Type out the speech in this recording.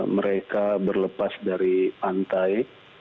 mereka berlepas dari pantai